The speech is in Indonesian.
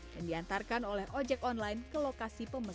dan diantarkan oleh ojek online ke lokasi pembeli